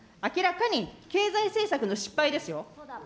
明らかに経済政策の失敗ですよ。